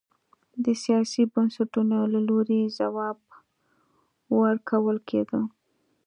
د سیاسي بنسټونو له لوري ځواب ورکول کېده.